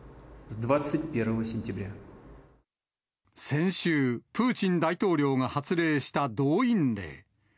先週、プーチン大統領が発令した動員令。